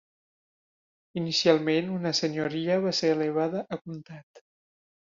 Inicialment una senyoria va ser elevada a comtat.